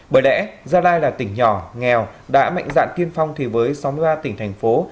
bởi lẽ gia lai là tỉnh nhỏ nghèo đã mạnh dạn tiên phong thì với sáu mươi ba tỉnh thành phố